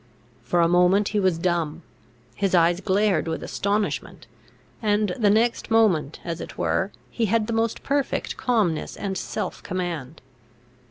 For a moment he was dumb; his eyes glared with astonishment; and the next moment, as it were, he had the most perfect calmness and self command.